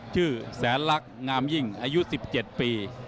แสนลักษณ์งามยิ่งอายุ๑๗ปี